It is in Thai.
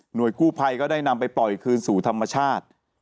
โดยกู้ภัยก็ได้นำไปปล่อยคืนสู่ธรรมชาติ